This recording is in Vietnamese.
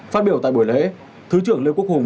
phát biểu tại buổi lễ thứ trưởng lê quốc hùng